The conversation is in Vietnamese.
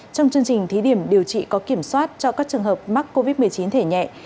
trong chương trình thí điểm điều trị có kiểm soát cho các trường hợp mắc covid một mươi chín thể nhẹ